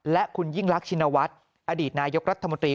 และคุณยิ่งรักชินวัฒน์อดีตนายกรัฐมนตรี